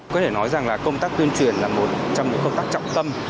có thể nói rằng là công tác tuyên truyền là một trong những công tác trọng tâm